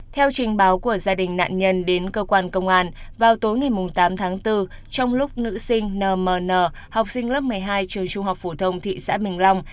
theo trình báo của gia đình nạn nhân đến cơ quan công an vào tối ngày tám tháng bốn trong lúc nữ sinh nm học sinh lớp một mươi hai trường trung học phổ thông thị xã bình long